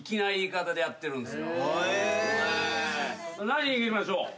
何握りましょう？